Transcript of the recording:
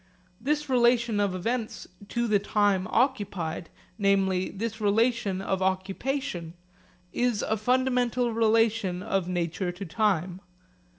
This relation of events to the time occupied, namely this relation of occupation, is a fundamental relation of nature to time.